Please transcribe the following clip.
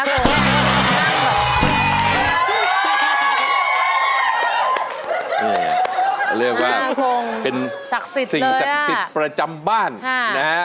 นี่ไงเรียกว่าเป็นสิ่งศักดิ์สิทธิ์ประจำบ้านนะฮะ